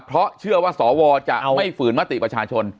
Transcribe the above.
เพราะเชื่อว่าสวจะไม่ฝืนมติประชาชน